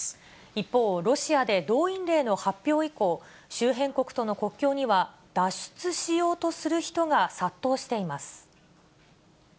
一方、ロシアで動員令の発表以降、周辺国との国境には脱出しようとする人が殺到しています。